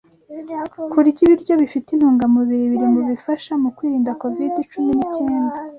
Kurya ibiryo bifite intungamubiri biri mubifasha mukwirinda covid cumi n'icyenda